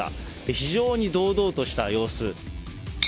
非常に堂々とした様子。